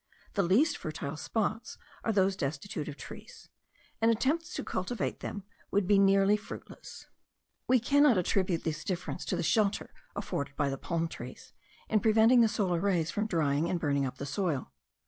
The least fertile spots are those destitute of trees; and attempts to cultivate them would be nearly fruitless. We cannot attribute this difference to the shelter afforded by the palm trees, in preventing the solar rays from drying and burning up the soil.